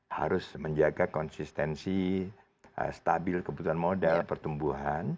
harus menjaga konsistensi stabil kebutuhan modal pertumbuhan